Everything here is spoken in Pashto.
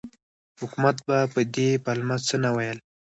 حکومت به په دې پلمه څه نه ویل.